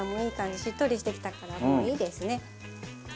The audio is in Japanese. しっとりしてきたからもういいですね。